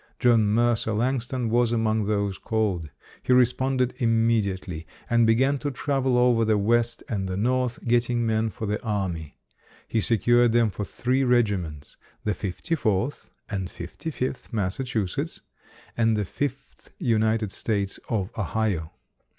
John Mercer Langston was among those called. He responded immediately and began to travel over the West and the North getting men for the army. He secured them for three regiments the Fifty fourth and Fifty fifth Massachusetts and the Fifth United States of Ohio.